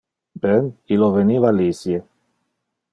Ben, illo veniva lisie.